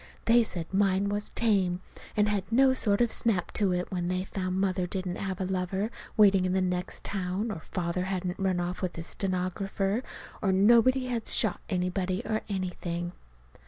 They said mine was tame, and had no sort of snap to it, when they found Mother didn't have a lover waiting in the next town, or Father hadn't run off with his stenographer, or nobody had shot anybody, or anything.